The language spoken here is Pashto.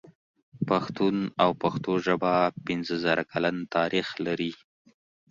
پښتون او پښتو ژبه پنځه زره کلن تاريخ لري.